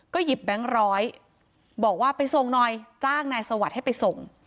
หยิบแบงค์ร้อยบอกว่าไปส่งหน่อยจ้างนายสวัสดิ์ให้ไปส่ง